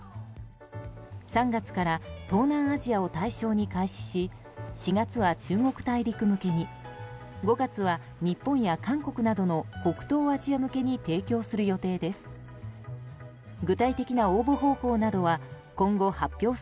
３月から東南アジアを対象に開始し４月は中国大陸向けに５月は、日本や韓国などの北東アジア向けに提供する予定です。